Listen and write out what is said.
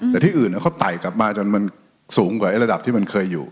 แต่ที่อื่นเขาไต่กลับมาจนมันสูงกว่าไอ้ระดับที่มันเคยอยู่